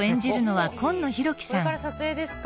これから撮影ですか。